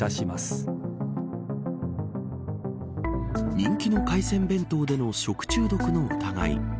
人気の海鮮弁当での食中毒の疑い